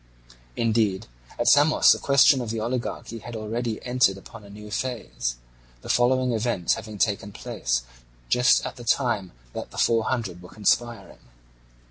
Indeed at Samos the question of the oligarchy had already entered upon a new phase, the following events having taken place just at the time that the Four Hundred were conspiring.